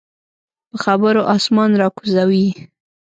په خبرو اسمان راکوزوي.